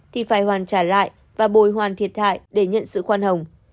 thì phải hoàn trả lại và bồi hoàn thiệt hại để nhận sự khoan hồng